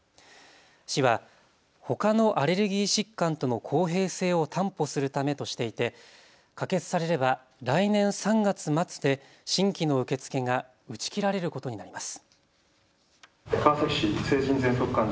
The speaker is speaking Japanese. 市はほかのアレルギー疾患との公平性を担保するためとしていて可決されれば来年３月末で新規の受け付けが打ち切られることになります。